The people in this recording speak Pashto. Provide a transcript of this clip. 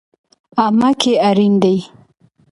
امه که اړين دي